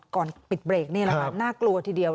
ก่อนปิดเบรกนี่แหละครับน่ากลัวทีเดียว